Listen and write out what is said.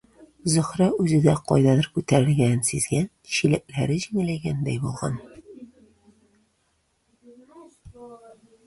Зөһрә үзе дә кайдадыр күтәрелгәнен сизгән, чиләкләре җиңеләйгәндәй булган.